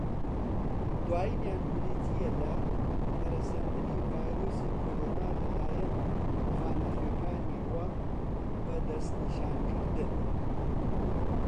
دوایینیان بریتییە لە، پەرەسەندنی ڤایرۆسی کۆڕۆنا لەلایەن خانەخوێنەکانییەوە بە دەستنیشانکردن بەڕێوەدەبردێت.